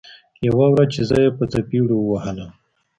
يوه ورځ چې زه يې په څپېړو ووهلم.